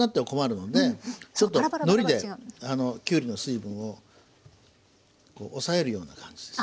のりできゅうりの水分を抑えるような感じです。